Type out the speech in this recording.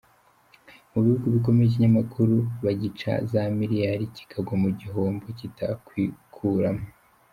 Mu bihugu bikomeye ikinyamakuru bagica za Miliyari kikagwa mu gihombo kitakwikuramo.